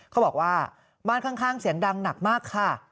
เขาบอกว่าบ้านข้างเสียงดังหนักมากค่ะ